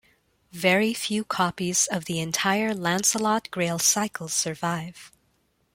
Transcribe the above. Very few copies of the entire Lancelot-Grail Cycle survive.